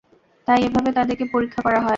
তাই এভাবে তাদেরকে পরীক্ষা করা হয়।